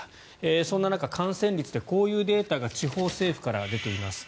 そんな中、感染率でこういうデータが地方政府から出ています。